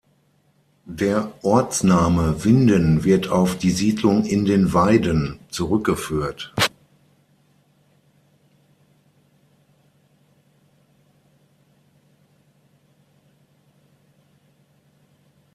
Der Ortsname „Winden“ wird auf die Siedlung „In den Weiden“ zurückgeführt.